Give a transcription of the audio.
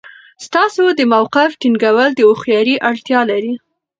ستاسو د موقف ټینګول د هوښیارۍ اړتیا لري.